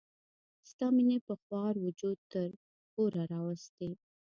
ستا مینې په خوار وجود تر کوره راوستي.